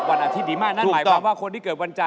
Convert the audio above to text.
เพราะว่ารายการหาคู่ของเราเป็นรายการแรกนะครับ